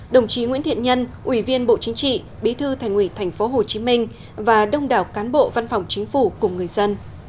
đồng chí nguyễn thiện nhân ủy viên bộ chính trị bí thư thành ủy tp hcm và đông đảo cán bộ văn phòng chính phủ cùng người dân